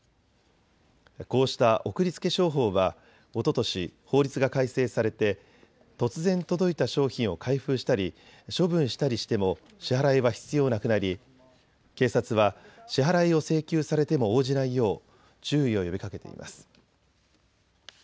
こうした送りつけ商法はおととし法律が改正されて突然届いた商品を開封したり処分したりしても支払いは必要なくなり警察は支払いを請求されても応じないよう注意を呼びかけています。